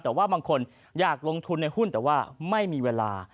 แต่ว่าบางคนอยากลงทุนในหุ้นแต่ว่าไม่มีเวลา